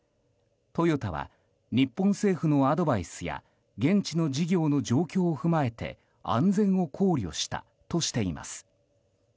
トヨタは日本政府のアドバイスや現地の事業の状況を踏まえて安全を考慮したとしています。